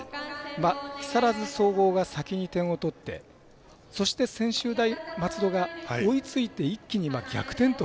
木更津総合が先に点を取ってそして専修大松戸が追いついて一気に逆転と。